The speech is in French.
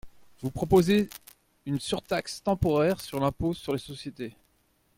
Vous proposez une surtaxe temporaire sur l’impôt sur les sociétés.